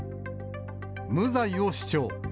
無罪を主張。